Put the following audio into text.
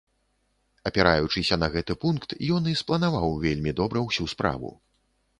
Апіраючыся на гэты пункт, ён і спланаваў вельмі добра ўсю справу.